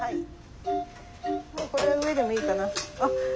もうこれは上でもいいかな。